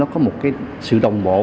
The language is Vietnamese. có một sự đồng bộ